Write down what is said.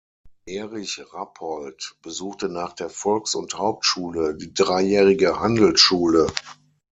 Erich Rappold besuchte nach der Volks- und Hauptschule die dreijährige Handelsschule.